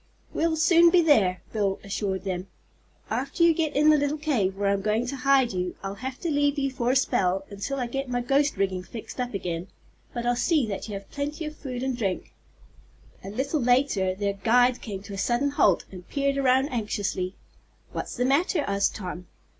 "We'll soon be there," Bill assured them. "After you get in the little cave, where I'm going to hide you, I'll have to leave you for a spell, until I get my ghost rigging fixed up again. But I'll see that you have plenty of food and drink." A little later their guide came to a sudden halt, and peered around anxiously. "What's the matter?" asked Tom.